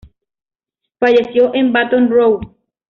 Falleció en Baton Rouge.